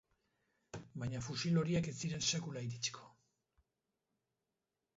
Baina fusil horiek ez ziren sekula iritsiko.